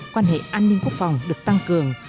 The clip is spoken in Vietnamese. quan hệ an ninh quốc phòng được tăng cường